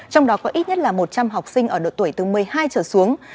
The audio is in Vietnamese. trong đó có ít nhất là một trăm linh học sinh ở độ tuổi từ một mươi hai trở xuống